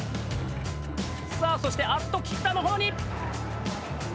さあそしてあっと菊田の方に！